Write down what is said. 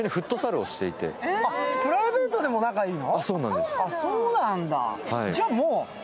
プライベートでも仲いいの？